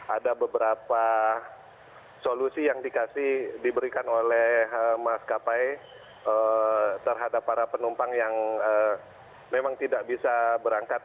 ada beberapa solusi yang diberikan oleh maskapai terhadap para penumpang yang memang tidak bisa berangkat